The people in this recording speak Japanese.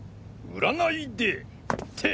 占いでって！